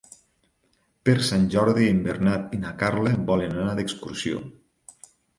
Per Sant Jordi en Bernat i na Carla volen anar d'excursió.